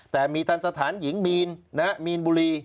แต่มีทันสถานหญิงมีนมีนบุรี